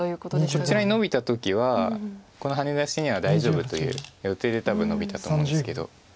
こちらにノビた時はこのハネ出しには大丈夫という予定で多分ノビたと思うんですけど。